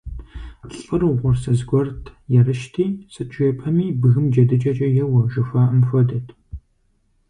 ЛӀыр угъурсыз гуэрт, ерыщти, сыт жепӀэми, бгым джэдыкӀэкӀэ еуэ, жухуаӏэм хуэдэт.